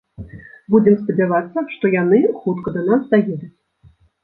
Будзем спадзявацца, што яны хутка да нас даедуць.